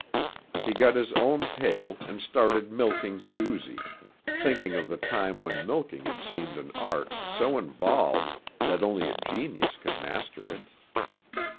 He got his own pail and started milking Susie, thinking of the time when milking had seemed an art so involved that only a genius could master it.